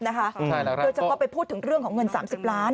โดยเฉพาะไปพูดถึงเรื่องของเงิน๓๐ล้าน